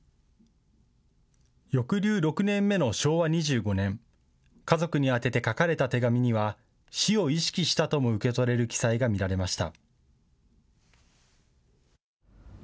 抑留６年目の昭和２５年、家族に宛てて書かれた手紙には死を意識したとも受け取れる記載が見られました。